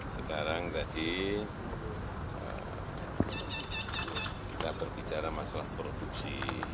sekarang tadi kita berbicara masalah produksi